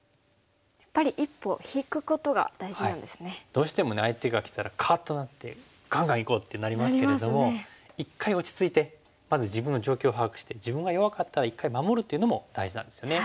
どうしてもね相手がきたらカッとなってガンガンいこうってなりますけれども一回落ち着いてまず自分の状況を把握して自分が弱かったら一回守るっていうのも大事なんですよね。